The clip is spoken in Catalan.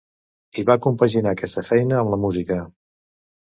I va compaginar aquesta feina amb la música.